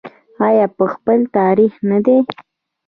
آیا په خپل تاریخ نه ده؟